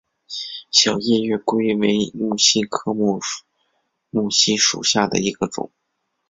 小叶月桂为木犀科木犀属下的一个种。